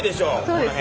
この辺。